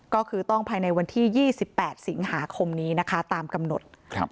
ก็คือต้องภายในวันที่๒๘สิงหาคมนี้นะคะตามกำหนด